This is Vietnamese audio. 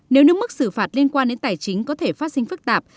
nếu nước mức xử phạt liên quan đến tài chính có thể phát sinh phức tạp